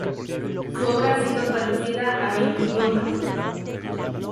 Su obra ha sido traducida a veinte idiomas.